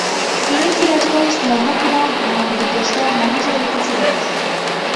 তিনি সিরাজগঞ্জ মহকুমা আওয়ামী লীগের সহসভাপতি ছিলেন।